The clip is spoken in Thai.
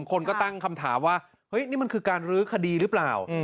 คนก็ตั้งคำถามว่าเฮ้ยนี่มันคือการลื้อคดีหรือเปล่า